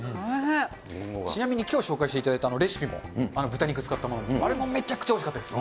ちなみに、きょう紹介していただいたレシピも、豚肉使ったもの、あれもめちゃくちゃおいしかったです。